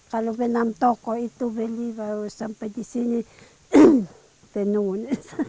kalau benang toko itu beli baru sampai di sini tenun